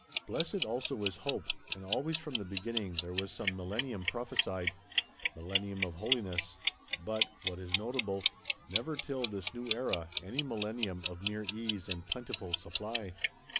Blessed also is Hope; and always from the beginning there was some Millennium prophesied; Millennium of Holiness; but (what is notable) never till this new Era, any Millennium of mere Ease and plentiful Supply.